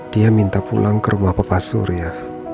dia minta pulang ke rumah bapak surya